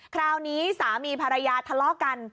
คราวนี้สามีภรรยาทะเลาะกัน